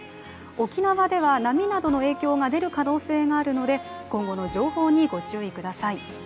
沖縄では波などの影響が出る可能性があるので今後の情報にご注意ください。